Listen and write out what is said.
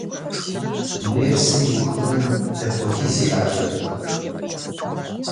Дерсыр иухыным дапхуэдиз иӏэжыр?